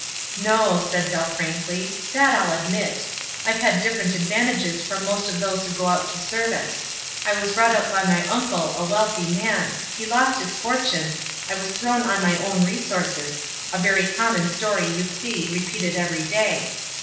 "No," said Dell, frankly; "that I'll admit. I've had different advantages from most of thoso who go out to service. I was brought up by 360 WISE AXD OTHERWISE. my uncle, a wealthy man ; be lost his furtune ; I was thrown on my own resources — a very common story, you see, repeated everyday.